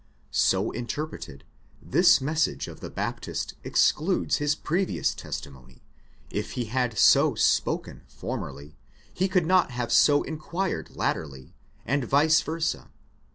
® So interpreted, this message of the Baptist excludes his previous testimony ; if he had so spoken formerly, he could not have so inquired latterly, and vice versé.